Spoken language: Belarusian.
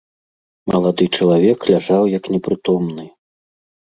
Малады чалавек ляжаў як непрытомны.